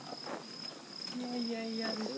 いやいやいやです